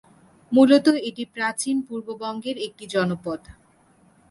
মূলত এটি প্রাচীন পূর্ববঙ্গের একটি জনপদ।